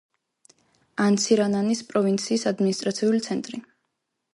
ანცირანანის პროვინციის ადმინისტრაციული ცენტრი.